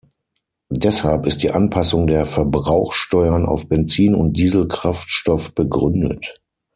Deshalb ist die Anpassung der Verbrauchsteuern auf Benzin und Dieselkraftstoff begründet.